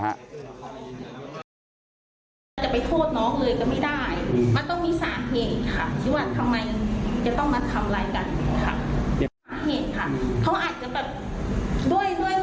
จะไปโทษน้องเลยก็ไม่ได้มันต้องมีสามเหตุค่ะที่ว่าทำไมจะต้องมาทำไรกันค่ะ